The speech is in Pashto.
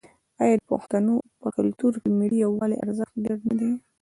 آیا د پښتنو په کلتور کې د ملي یووالي ارزښت ډیر نه دی؟